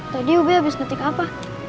tadi ubi abis ngetik apa